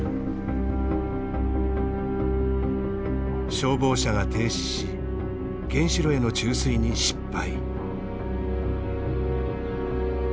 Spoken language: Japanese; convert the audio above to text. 消防車が停止し原子炉への注水に失敗。